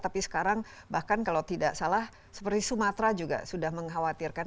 tapi sekarang bahkan kalau tidak salah seperti sumatera juga sudah mengkhawatirkan